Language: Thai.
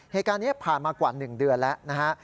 เหตุการณ์นี้ผ่านมากว่า๑เดือนแล้วนะฮะ